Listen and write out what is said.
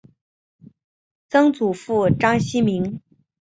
曾祖父章希明。